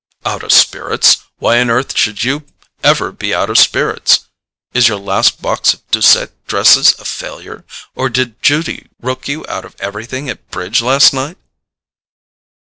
"Out of spirits? Why on earth should you ever be out of spirits? Is your last box of Doucet dresses a failure, or did Judy rook you out of everything at bridge last night?"